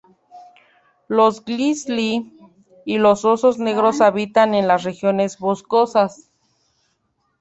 Los grizzly y los osos negros habitan en las regiones boscosas.